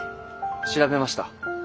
調べました。